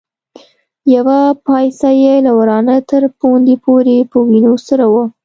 يوه پايڅه يې له ورانه تر پوندې پورې په وينو سره وه.